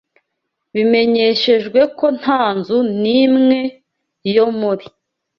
bimenyeshejwe ko nta nzu n’imwe yo muri